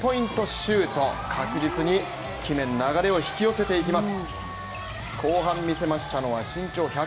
シュートを確実に決め流れを引き寄せていきます。